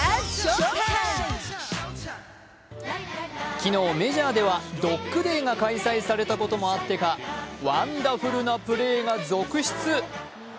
昨日、メジャーではドッグデーが開催されたこともあってかワンダフルなプレーが続出。